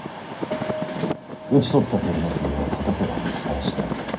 討ち取った敵の首は固瀬川にさらしてあります。